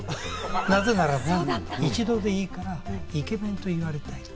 なぜならば一度でいいから、イケメンと言われたい。